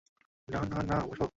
না, না, না, না, বসো।